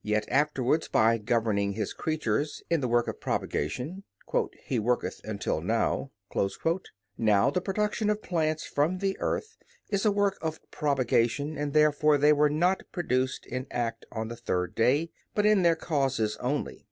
Yet afterwards, by governing His creatures, in the work of propagation, "He worketh until now." Now the production of plants from the earth is a work of propagation, and therefore they were not produced in act on the third day, but in their causes only.